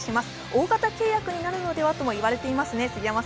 大型契約になるのではと言われていますね。